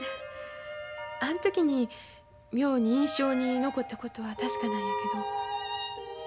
あん時に妙に印象に残ったことは確かなんやけど。